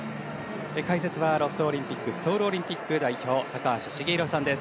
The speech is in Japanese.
解説はロスオリンピックソウルオリンピック代表高橋繁浩さんです。